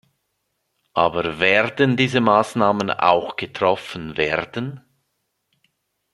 Aber werden diese Maßnahmen auch getroffen werden?